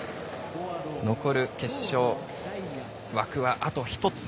残る決勝枠はあと１つ。